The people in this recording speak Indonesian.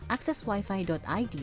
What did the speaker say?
akses wifi id terhadap masyarakat